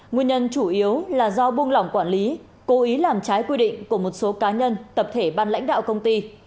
nguyên nhân chủ yếu là do buông lỏng quản lý cố ý làm trái quy định của một số cá nhân tập thể ban lãnh đạo công ty